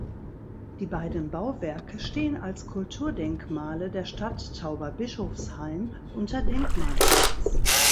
Die beiden Bauwerke stehen als Kulturdenkmale der Stadt Tauberbischofsheim unter Denkmalschutz.